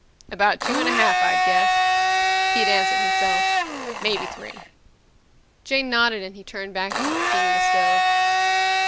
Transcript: "About two and a half, I'd guess," Pete answered himself. "Maybe three." Jane nodded and he turned back to cleaning the stove.